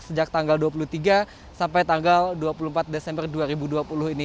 sejak tanggal dua puluh tiga sampai tanggal dua puluh empat desember dua ribu dua puluh ini